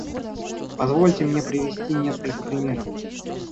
Позвольте мне привести несколько примеров.